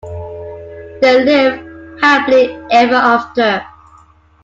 They live happily ever after.